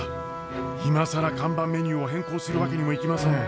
今更看板メニューを変更するわけにもいきません。